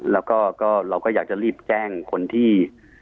เราก็อยากจะรีบแจ้งคนที่